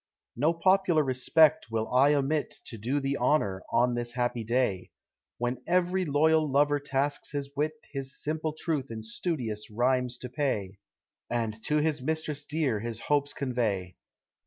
No popular respect will I omit To do thee honor on this happy day, When every loyal lover tasks his wit His simple truth in studious rhymes to pay, And to his mistress dear his hopes convey.